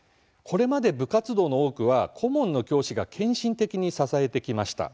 これまで部活動の多くは顧問の教師が献身的に支えてきました。